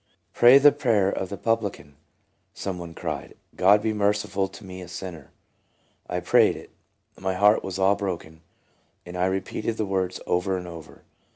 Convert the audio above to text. " Pray the prayer of the publican," some one cried ;' God be merciful to me a sinner.' ' I prayed it. My heart was all broken, and I repeated the words over and over.